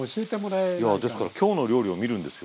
いやですから「きょうの料理」を見るんですよ。